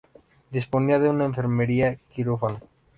Disponía de una enfermería-quirófano.